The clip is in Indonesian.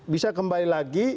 bisa kembali lagi